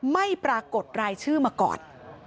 ไม่ปรากฏรายชื่อมาก่อน